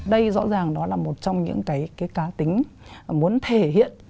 đây rõ ràng đó là một trong những cái cá tính muốn thể hiện